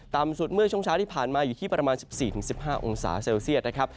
ต่ำสุดเมื่อช่วงเช้าที่ผ่านมาอยู่ที่ประมาณ๑๔๑๕องศาเซลเซียตนะครับ